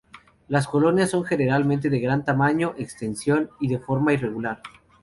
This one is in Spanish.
Las colonias son generalmente de gran tamaño, extensión, y de forma irregular.